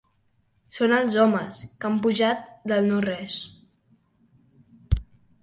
Són els homes que han pujat del no res.